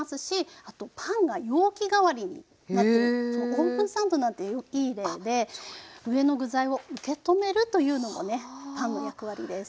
オープンサンドなんていい例で上の具材を受け止めるというのもねパンの役割です。